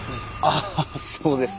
あっそうですね。